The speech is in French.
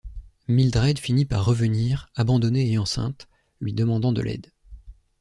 Mildred finir par revenir, abandonnée et enceinte, lui demandant de l'aide.